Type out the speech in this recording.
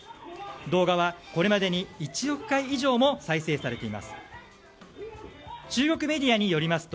動画はこれまでに１億回以上も再生されています。